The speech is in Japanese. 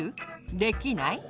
できない？